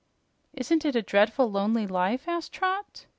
"Isn't it a dreadful, lonely life?" asked Trot.